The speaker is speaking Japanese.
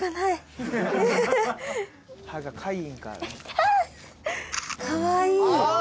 ハハっかわいい。